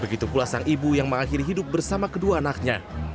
begitu pula sang ibu yang mengakhiri hidup bersama kedua anaknya